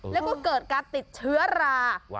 แล้วก็เกิดการติดเชื้อรา